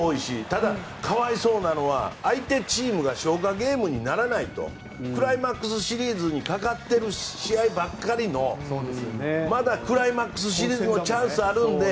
ただ、可哀想なのは相手チームが消化ゲームにならないとクライマックスシリーズにかかってる試合ばっかりのまだクライマックスシリーズのチャンスがあるので。